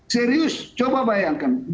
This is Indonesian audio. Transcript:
serius coba bayangkan